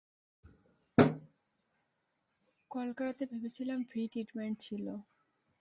Call করাতে ভেবেছিলাম free treatment ছিল।